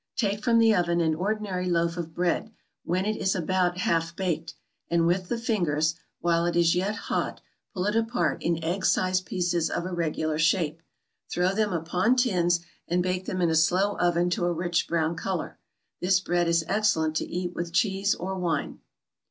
= Take from the oven an ordinary loaf of bread when it is about half baked, and with the fingers, while it is yet hot, pull it apart in egg sized pieces of irregular shape: throw them upon tins, and bake them in a slow oven to a rich brown color. This bread is excellent to eat with cheese or wine.